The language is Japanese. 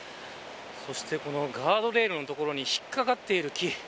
そしてガードレールのところに引っかかっている木。